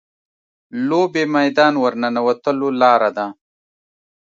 لوبې میدان ورننوتو لاره ده.